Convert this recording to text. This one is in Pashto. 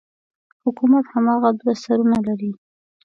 حکومت هماغه دوه سرونه لري.